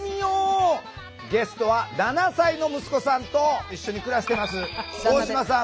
ゲストは７歳の息子さんと一緒に暮らしてます大島さん